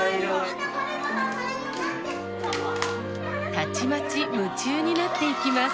たちまち夢中になっていきます。